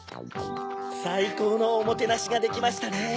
さいこうのおもてなしができましたね。